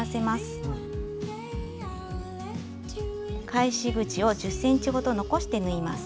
返し口を１０ｃｍほど残して縫います。